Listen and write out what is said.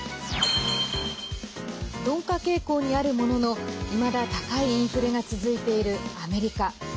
鈍化傾向にあるもののいまだ高いインフレが続いているアメリカ。